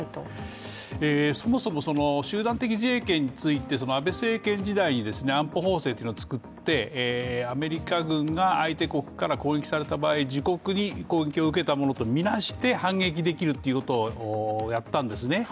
そもそも集団的自衛権について安倍政権時代に安保法制というのをつくって、アメリカ軍が相手軍に攻撃された場合自国に攻撃を受けたものと見なして反撃できるっていうことをやったんですね。